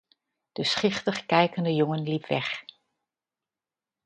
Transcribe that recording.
De schichtig kijkende jongen liep weg.